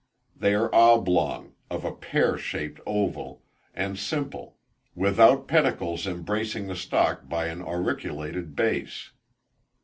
They are oblong, of a spear shaped oval, and simple; without pedicles embracing the stalk by an auriculated base.